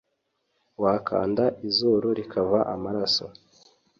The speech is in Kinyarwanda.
wakanda izuru rikava amaraso